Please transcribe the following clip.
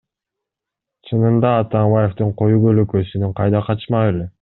Чынында Атамбаевдин коюу көлөкөсүнөн кайда качмак эле?